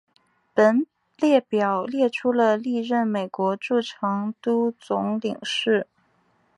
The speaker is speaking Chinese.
本列表列出了历任美国驻成都总领事。